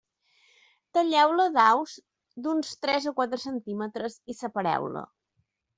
Talleu-la a daus d'uns tres o quatre centímetres i separeu-la.